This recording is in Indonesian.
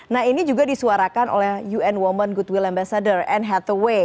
nah ini juga disuarakan oleh un women goodwill ambassador anne hathaway